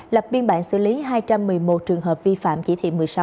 lập biên bản xử lý hai trăm một mươi một trường hợp vi phạm chỉ thị một mươi sáu